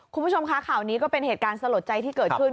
คุณผู้ชมคะข่าวนี้ก็เป็นเหตุการณ์สลดใจที่เกิดขึ้น